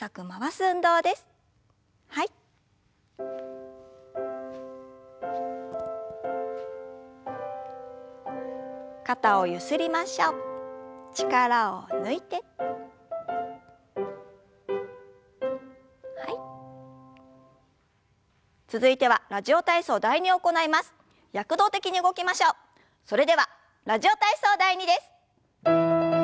それでは「ラジオ体操第２」です。